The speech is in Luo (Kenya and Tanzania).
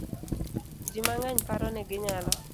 Ji mang'eny paro ni ginyalo